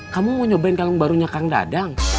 kamu mau nyobain kalung barunya kang dadang